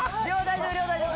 量大丈夫？